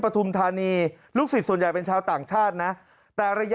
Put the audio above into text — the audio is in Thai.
ปฐุมธานีลูกศิษย์ส่วนใหญ่เป็นชาวต่างชาตินะแต่ระยะ